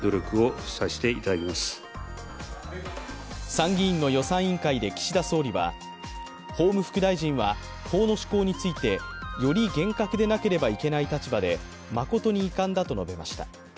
参議院の予算委員会で岸田総理は法務副大臣は法の施行についてより厳格でなければいけない立場で誠に遺憾だと述べました。